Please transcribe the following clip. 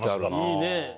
いいね。